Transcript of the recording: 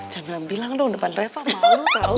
jangan bilang dong depan reva malu tau